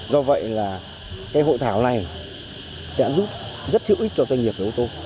do vậy là cái hội thảo này sẽ giúp rất hữu ích cho doanh nghiệp và ô tô